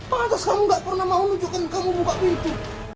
pantes kamu gak pernah mau nunjukin kamu buka pintu